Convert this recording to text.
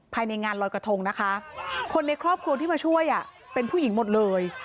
ภายในงานลอยกระทงนะคะคนในครอบครัวที่มาช่วยเป็นผู้หญิงหมดเลย